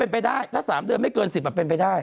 เป็นไปได้ถ้า๓เดือนไม่เกิน๑๐เป็นไปได้